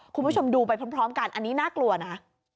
คุณผู้ชมดูไปพร้อมกันอันนี้น่ากลัวนะ